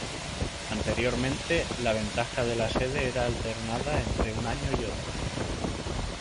Anteriormente, la "ventaja de la sede" era alternada entre un año y otro.